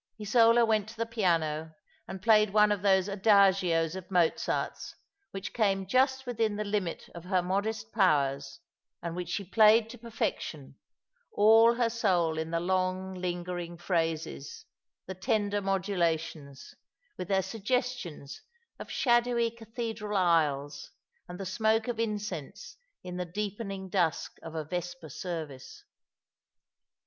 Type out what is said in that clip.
Isola went to the piano and played one of those Adagios of Mozart's which came just within the limit of her modest powers, and which she played to perfection, all her soul in the long lingering phrases, the tender modulations, with their suggestions of shadowy cathedral aisles, and the smoke of incense in the deepening dusk of a vesper service.